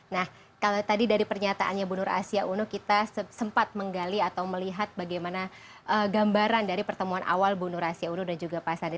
nah kalau tadi dari pernyataannya bu nur asia uno kita sempat menggali atau melihat bagaimana gambaran dari pertemuan awal bu nur asia uno dan juga pak sandi